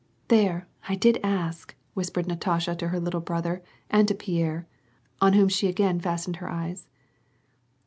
'•' There, I did ask," whispered Natasha to her little brother and to Pierre, on whom she again fastened her eyes.